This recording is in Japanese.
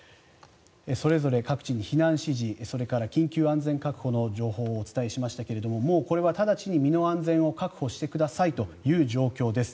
それぞれ各地に避難指示それから緊急安全確保の情報をお伝えしましたけれどもこれは直ちに身の安全を確保してくださいという状況です。